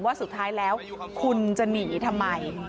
ว่าสุดท้ายแล้วคุณจะหนีทำไม